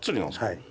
はい。